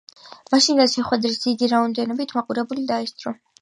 მაშინდელ შეხვედრას დიდი რაოდენობით მაყურებელი დაესწრო.